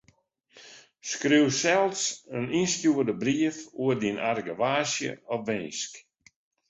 Skriuw sels in ynstjoerde brief oer dyn argewaasje of winsk.